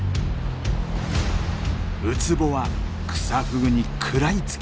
ウツボはクサフグに食らいつきます。